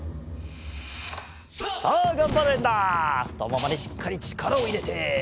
ふとももにしっかりちからをいれて。